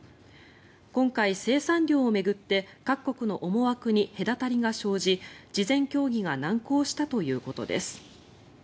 今回、生産量を巡って各国の思惑に隔たりが生じ事前協議が難航したということです。